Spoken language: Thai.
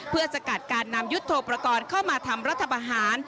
เพื่อสกัดการนำยุทธโปรกรณ์เข้ามาทำรัฐบาหาร